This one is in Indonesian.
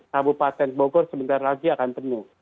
kabupaten bogor sebentar lagi akan penuh